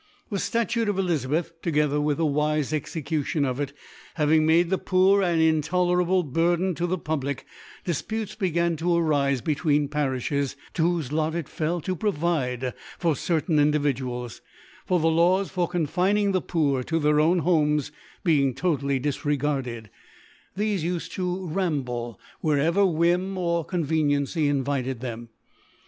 The Statute of Elizabetby together with the wife Execution cf it, having made the Poor an intolerable Burden to the f^ublic, Difputes began to arife between Pariflies to ^^hofe Lot it fell (o provide for certain In dividuals : for the Laws for confining the Poor 10 their own Homes, being totally dif regarded, t^befe ufed to ramble wherevex Whim or Conveniency invited them.